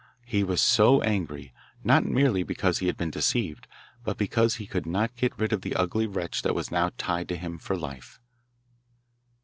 He was so angry, not merely because he had been deceived, but because he could not get rid of the ugly wretch that was now tied to him for life.